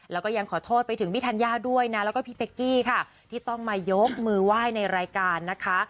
แล้วก็ยังขอโทษไปถึงพี่ธัญญาด้วยนะแล้วก็พี่เป๊กกี้ค่ะที่ต้องมายกมือไหว้ในรายการนะคะ